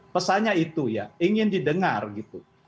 pesannya itu ya ingin didengar gitu